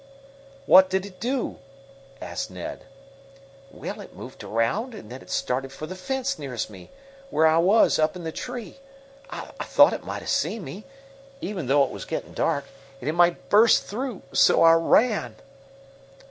"What did it do?" asked Ned. "Well, it moved around and then it started for the fence nearest me, where I was up in the tree. I thought it might have seen me, even though it was gettin' dark, and it might bust through; so I ran!"